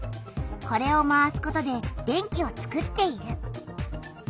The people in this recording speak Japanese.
これを回すことで電気をつくっている。